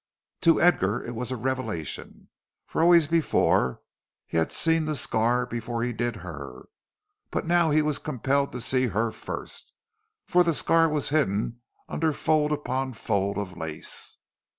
To Edgar it was a revelation, for always before, he had seen the scar before he did her; but now he was compelled to see her first, for the scar was hidden under fold upon fold of lace.